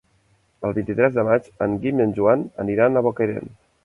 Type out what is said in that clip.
El vint-i-tres de maig en Guim i en Joan aniran a Bocairent.